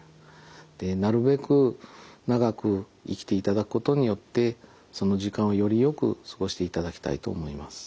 でなるべく長く生きていただくことによってその時間をよりよく過ごしていただきたいと思います。